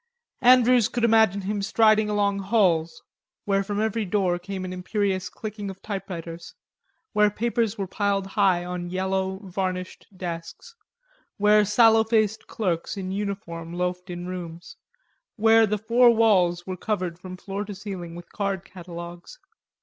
Andrews could imagine him striding along halls, where from every door came an imperious clicking of typewriters, where papers were piled high on yellow varnished desks, where sallow faced clerks in uniform loafed in rooms, where the four walls were covered from floor to ceiling with card catalogues.